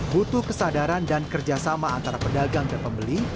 butuh kesadaran dan kerjasama antara pedagang dan pembeli